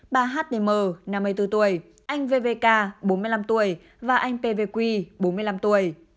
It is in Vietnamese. bà htm năm mươi bốn tuổi anh vvk bốn mươi năm tuổi và anh pvq bốn mươi năm tuổi